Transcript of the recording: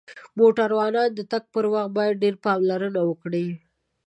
موټروانان د تک پر وخت باید ډیر پاملرنه وکړی